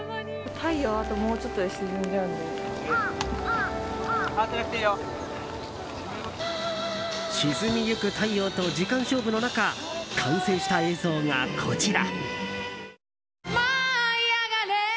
沈みゆく太陽と時間勝負の中完成した映像がこちら。